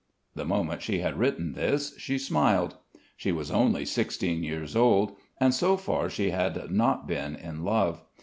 The moment she had written this, she smiled. She was only sixteen years old, and so far she had not been in love.